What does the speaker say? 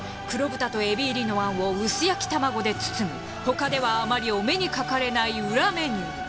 黒豚とエビ入りのあんを薄焼き卵で包む他ではあまりお目に掛かれないウラメニュー。